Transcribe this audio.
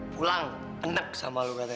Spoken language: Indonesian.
pulang enek sama lu rade